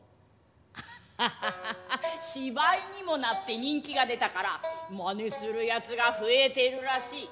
ハハハハ芝居にもなって人気が出たから真似するやつが増えてるらしい。